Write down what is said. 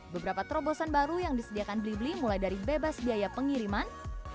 beberapa terobosan baru yang disediakan blibli mulai dari bebas biaya pengiriman